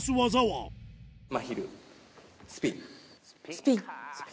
スピンか。